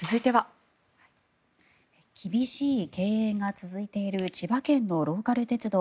厳しい経営が続いている千葉県のローカル鉄道